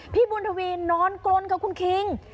พี่บุญทวีนอนกลนค่ะคุณคิง